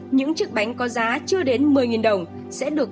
những chiếc bánh có giá chưa đến mười nghìn đồng sẽ được